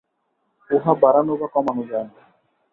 উহা বাড়ানো বা কমানো যায় না।